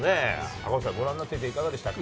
赤星さん、ご覧になってて、いかがでしたか。